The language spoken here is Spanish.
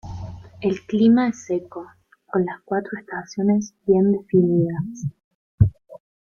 El clima es seco, con las cuatro estaciones bien definidas.